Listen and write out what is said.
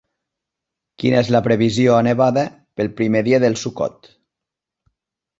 quina és la previsió a Nevada pel primer dia del Sukkot